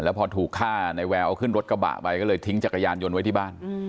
พอถูกฆ่าในแววเอาขึ้นรถกระบะไปก็เลยทิ้งจักรยานยนต์ไว้ที่บ้าน